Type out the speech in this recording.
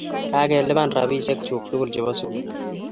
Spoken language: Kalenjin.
Kakelipan rapisyek chuk tukul che po sukul